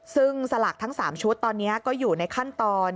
ซึ่งสลากทั้ง๓ชุดตอนนี้ก็อยู่ในขั้นตอน